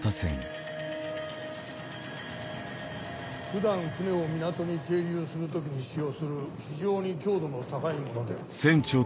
普段船を港に停留する時に使用する非常に強度の高いもので。